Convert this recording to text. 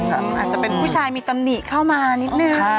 อาจจะเป็นผู้ชายมีตำหนิเข้ามานิดนึง